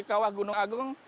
kawah gunung agung